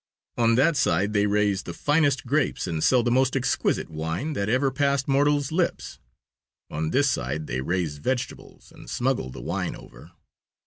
On that side they raise the finest grapes and sell the most exquisite wine that ever passed mortals' lips. On this side they raise vegetables and smuggle the wine over.